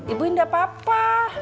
ibu indah papa